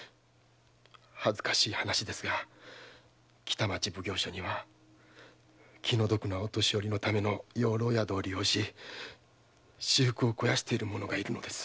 恥ずかしい話ですが北町奉行所には気の毒なお年寄りのための養老宿を利用し私腹を肥やしている者がいるのです。